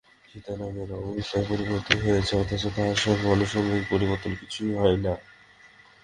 সীতারামের অবস্থার পরিবর্তন হইয়াছে, অথচ তাহার সঙ্গে আনুষঙ্গিক পরিবর্তন কিছুই হয় নাই।